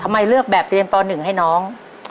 เลือกแบบเรียนป๑ให้น้อง